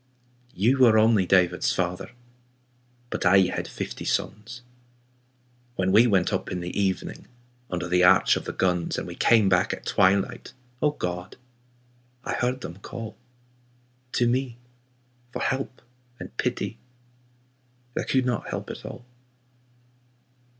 You were, only David's father, But I had fifty sons When we went up in the evening Under the arch of the guns, And we came back at twilight — O God ! I heard them call To me for help and pity That could not help at all.